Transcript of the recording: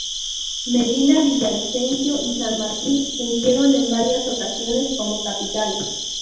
Medina, Villavicencio y San Martín fungieron en varias ocasiones como capital.